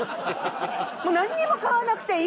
もうなんにも買わなくていい。